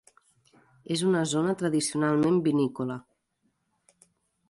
És una zona tradicionalment vinícola.